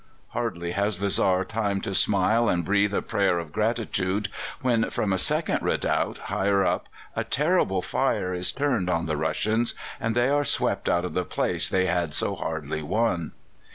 Hardly has the Czar time to smile and breathe a prayer of gratitude when from a second redoubt higher up a terrible fire is turned on the Russians, and they are swept out of the place they had so hardly won.